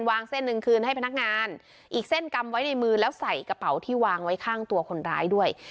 เส้นหนึ่งคืนให้พนักงานอีกเส้นกำไว้ในมือแล้วใส่กระเป๋าที่วางไว้ข้างตัวคนร้ายด้วย